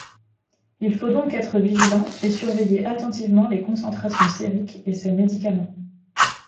Il faut donc être vigilant et surveiller attentivement les concentrations sériques de ces médicaments.